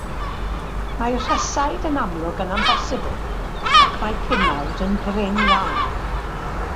Mae rhesaid yn amlwg yn amhosibl, ac mae pumawd yn brin iawn.